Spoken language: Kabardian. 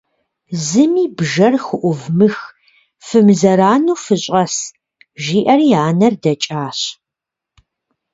– Зыми бжэр хуӏувмых, фымызэрану фыщӏэс, - жиӏэри анэр дэкӏащ.